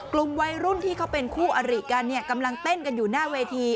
กลุ่มวัยรุ่นที่เขาเป็นคู่อริกันเนี่ยกำลังเต้นกันอยู่หน้าเวที